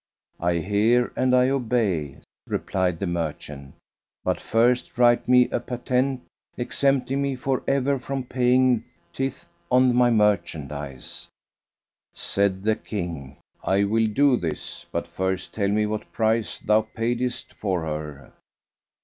"I hear and I obey," replied the merchant; "but first write me a patent, exempting me for ever from paying tithe on my merchandise." Said the King, "I will do this, but first tell me what price thou paidest for her."